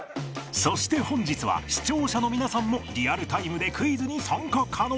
そして本日は視聴者の皆さんもリアルタイムでクイズに参加可能